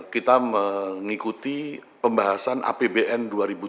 kita mengikuti pembahasan apbn dua ribu tujuh belas